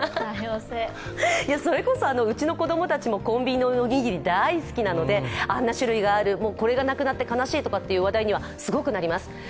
それこそうちの子供たちもコンビニのおにぎり大好きなのであんな種類がある、これがなくなって悲しいという話題にはすごくなります。